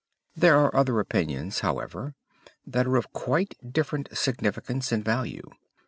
There are other opinions, however, that are of quite different significance and value.